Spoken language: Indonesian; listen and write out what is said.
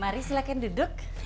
mari silahkan duduk